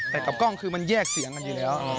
แต่กับกล้องคือมันแยกเสียงกันอยู่แล้ว